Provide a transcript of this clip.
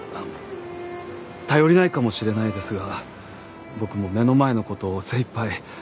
頼りないかもしれないですが僕も目の前の事を精いっぱい一生懸命頑張るんで。